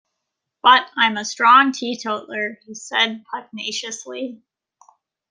“But I’m a strong teetotaller,” he said pugnaciously.